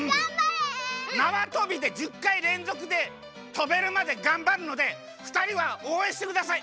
なわとびで１０かいれんぞくでとべるまでがんばるのでふたりはおうえんしてください。